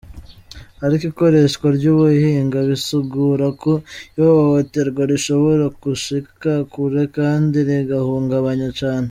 Ariko ikoreshwa ry'ubuhinga bisugura ko ihohoterwa rishobora gushika kure kandi rigahungabanya cane.